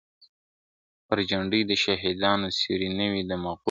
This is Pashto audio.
پر جنډۍ د شهیدانو سیوری نه وی د مغلو ..